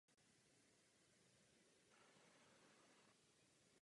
Řadí se mezi silně ohrožené jazyky.